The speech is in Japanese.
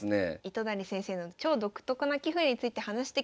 糸谷先生の超独特な棋風について話してきました。